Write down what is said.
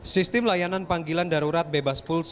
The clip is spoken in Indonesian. sistem layanan panggilan darurat bebas pulsa satu ratus sepuluh ini